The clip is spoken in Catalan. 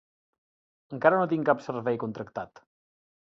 Encara no tinc cap servei contractat.